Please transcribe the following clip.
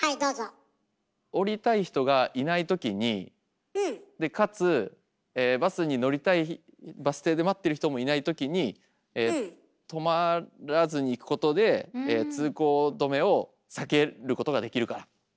降りたい人がいないときにでかつバス停で待ってる人もいないときにとまらずに行くことで通行止めを避けることができるから。